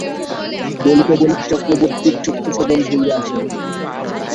বলিতে বলিতে চক্রবর্তীর চক্ষু সজল হইয়া আসিল।